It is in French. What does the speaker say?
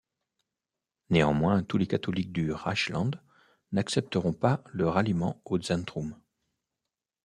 Néanmoins, tous les catholiques du Reichsland n'accepteront pas le ralliement au Zentrum.